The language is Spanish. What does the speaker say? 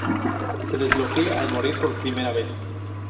Se desbloquea al morir por primera vez.